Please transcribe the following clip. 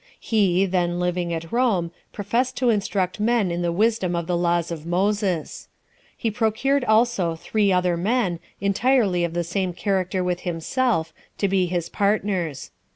He, then living at Rome, professed to instruct men in the wisdom of the laws of Moses. He procured also three other men, entirely of the same character with himself, to be his partners.